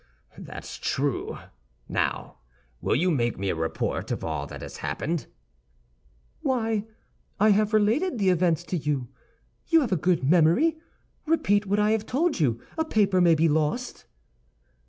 "That's true. Now, will you make me a report of all that has happened?" "Why, I have related the events to you. You have a good memory; repeat what I have told you. A paper may be lost."